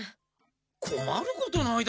こまることないだろ？